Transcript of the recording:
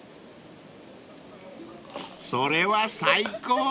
［それは最高］